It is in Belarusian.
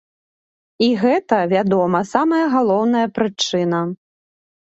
І гэта, вядома, самая галоўная прычына.